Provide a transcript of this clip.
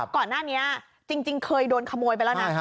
ก่อนหน้านี้จริงเคยโดนขโมยไปแล้วนะ